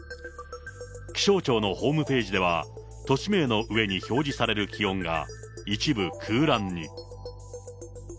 気象庁のホームページでは、都市名の上に表示される気温が一部空欄に。